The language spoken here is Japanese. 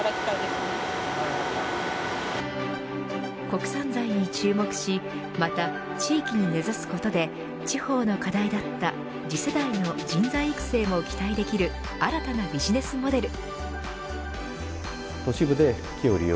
国産材に注目しまた、地域に根差すことで日本の課題だった次世代の人材育成も期待できる新たなビジネスモデル。